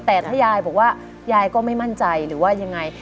แต่ถ้ายายบอกว่ายายก็ไม่มั่นใจหรือว่ายังไง